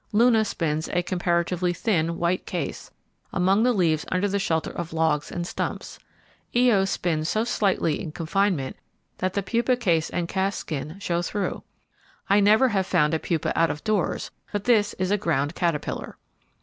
Luna spins a comparatively thin white case, among the leaves under the shelter of logs and stumps. Io spins so slightly in confinement that the pupa case and cast skin show through. I never have found a pupa out of doors, but this is a ground caterpillar.